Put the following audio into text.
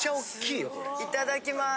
いただきます。